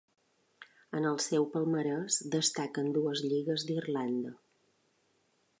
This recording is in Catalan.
En el seu palmarès destaquen dues lligues d'Irlanda.